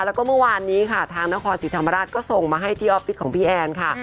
แล้วก็เมื่อวานนี้ค่ะทางนครศรีธรรมราชก็ส่งมาให้ที่ออฟฟิศของพี่แอนค่ะ